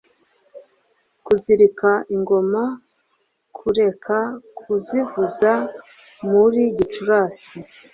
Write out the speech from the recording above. Kuzirika ingoma Kureka kuzivuza muri Gicurasi